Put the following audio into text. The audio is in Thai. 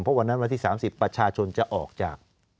เพราะวันนั้นวันที่๓๐ประชาชนจะออกจาก